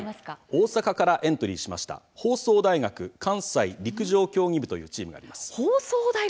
大阪からエントリーした放送大学関西陸上競技部というチームがあります。